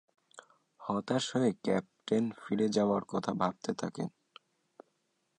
হতাশ হয়ে ক্যাপ্টেন ফিরে যাবার কথা ভাবতে থাকে।